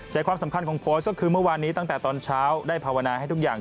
ความสำคัญของโพสต์ก็คือเมื่อวานนี้ตั้งแต่ตอนเช้าได้ภาวนาให้ทุกอย่าง